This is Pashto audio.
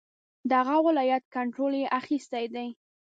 د هغه ولایت کنټرول یې اخیستی دی.